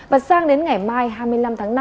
và sang đến ngày mai hai mươi năm tháng năm